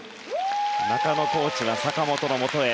中野コーチは坂本のもとへ。